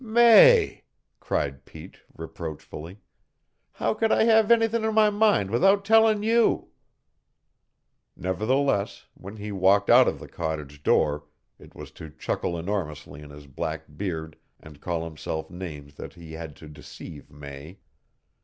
"May!" cried Pete reproachfully. "How could I have anythin' in my mind without tellin' you?" Nevertheless, when he walked out of the cottage door it was to chuckle enormously in his black beard and call himself names that he had to deceive May.